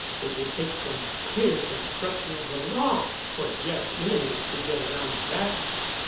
It would take some queer construction of the law for Jeff's enemies to get around that.